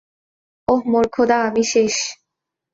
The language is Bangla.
ওহ, মোর খোদা, আমি শেষ!